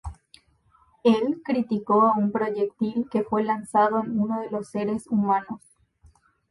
Él criticó a un proyectil que fue lanzado en uno de los seres humanos.